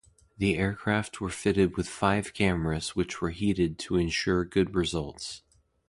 The aircraft were fitted with five cameras which were heated to ensure good results.